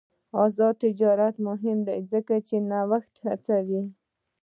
آزاد تجارت مهم دی ځکه چې نوښت هڅوي.